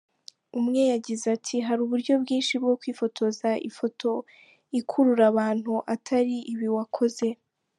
Umwe yagize ati “Hari uburyo bwinshi bwo kwifotoza ifoto ikurura abantu atari ibi wakoze.